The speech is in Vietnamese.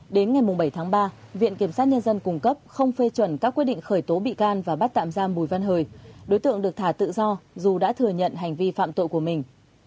đến ngày bảy tháng ba viện kiểm sát nhân dân cung cấp không phê chuẩn các quyết định khởi tố bị can và bắt tạm giam bùi văn hời đối tượng được thả tự do dù đã thừa nhận hành vi phạm tội của mình